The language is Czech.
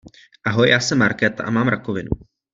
Ahoj, já jsem Markéta a mám rakovinu.